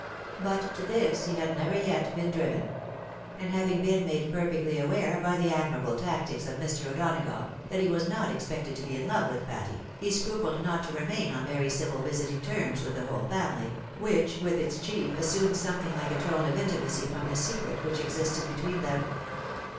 But to this he had never yet been driven ; and having been made perfectly aware by the admirable tactics of Mr. O'Dona gough, that he was not expected to be in love with Patty, he scrupled not to remain on very civil visiting terms with the whole family, which, with its chief, assumed something like a tone of intimacy from the secret which existed between them.